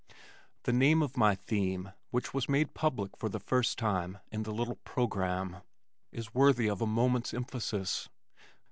The name of my theme, (which was made public for the first time in the little programme) is worthy of a moment's emphasis.